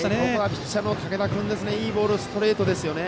ピッチャーの竹田君がいいストレートですね。